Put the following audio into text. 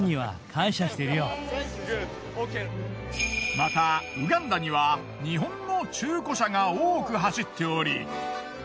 またウガンダには日本の中古車が多く走っており。